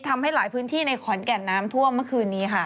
ทำให้หลายพื้นที่ในขอนแก่นน้ำท่วมเมื่อคืนนี้ค่ะ